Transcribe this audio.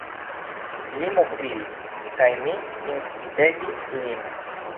Li mokridis, kaj mi incitegis lin.